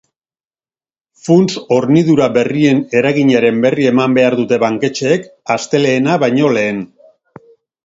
Funts-hornidura berrien eraginaren berri eman behar dute banketxeek astelehena baino lehen.